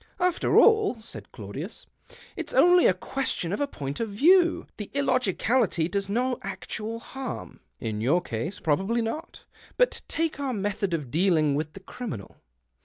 " After all," said Claudius, " it's only a question of a point of view^. The illogicality does no actual harm." "' In your case possibly not. But take our method of dealing with the criminal.